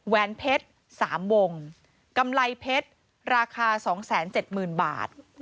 แวนเพชร๓วงกำไรเพชรราคา๒๗๐๐๐บาท